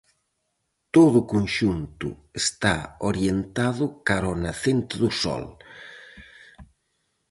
Todo o conxunto está orientado cara ó nacente do sol.